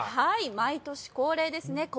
はい毎年恒例ですね